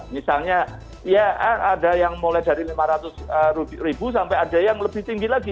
misalnya ya ada yang mulai dari lima ratus ribu sampai ada yang lebih tinggi lagi